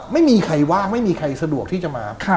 ไม่มีใครว่างไม่มีใครสะดวกที่จะมา